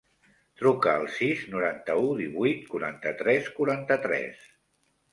Truca al sis, noranta-u, divuit, quaranta-tres, quaranta-tres.